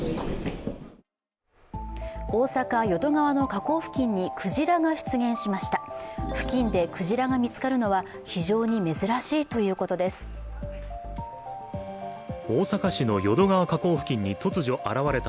大阪・淀川の河口付近にクジラが出現しました。